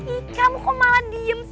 ih kamu kok malah diem sih